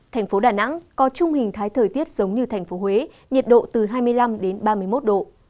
thành phố đà nẵng có chung hình thái thời tiết giống như thành phố huế nhiệt độ từ hai mươi năm đến ba mươi một độ